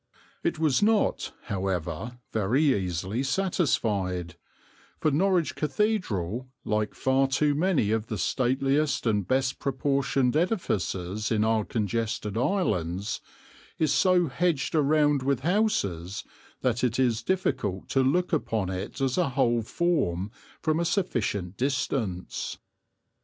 It was not, however, very easily satisfied; for Norwich Cathedral, like far too many of the stateliest and best proportioned edifices in our congested islands, is so hedged around with houses that it is difficult to look upon it as a whole from a sufficient distance.